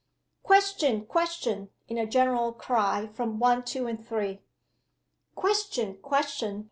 "Question! question!" in a general cry, from One, Two, and Three. "Question! question!"